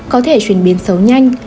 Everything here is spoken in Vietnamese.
có thể chuyển biến xấu nhanh